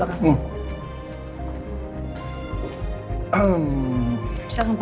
ini adalah sesuatu hal yang kebetulan sekali ya